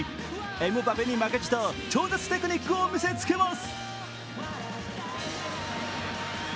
エムバペに負けじと超絶テクニックを見せつけます。